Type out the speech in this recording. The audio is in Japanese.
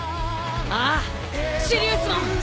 ああシリウスモン！